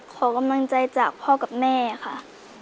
ขอกำลังใจจากพ่อกับแม่ค่ะ